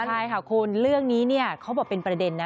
ใช่ค่ะคุณเรื่องนี้เนี่ยเขาบอกเป็นประเด็นนะ